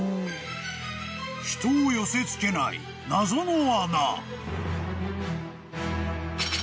［人を寄せ付けない謎の穴］